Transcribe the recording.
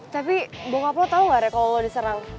tapi bokap lo tau gak reva kalau lo diserang